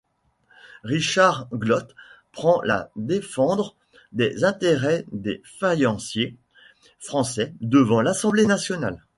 Richard Glot prend la défendre des intérêts des faïenciers français devant l'Assemblée nationale.